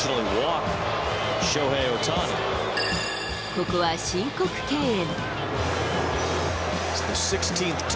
ここは申告敬遠。